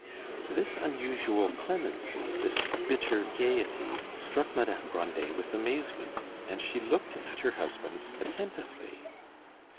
This unusual clemency, this bitter gaiety, struck Madame Grandet with amazement, and she looked at her husband attentively.